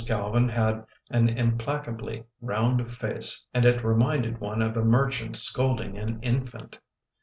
Calvin had an implacably round face and it re minded one of a merchant scolding an infant.